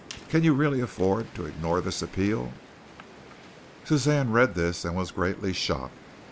Can you really afford to ignore this appeal?" Suzanne read this and was greatly shocked.